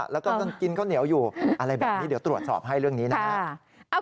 แล้วก็กินข้าวเหนียวอยู่อะไรแบบนี้เดี๋ยวตรวจสอบให้เรื่องนี้นะครับ